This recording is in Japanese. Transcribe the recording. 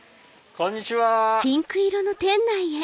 こんにちは！